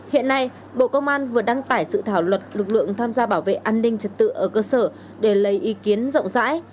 hiện nay bộ công an vừa đăng tải sự thảo luật lực lượng tham gia bảo vệ an ninh trật tự ở cơ sở để lấy ý kiến rộng rãi